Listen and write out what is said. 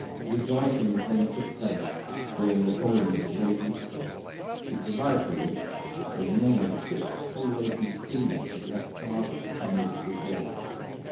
Rejoicings then took place during the coaling of the Great Eastern to provide for which as many as six coal laden steamers had left Cardiff some weeks before.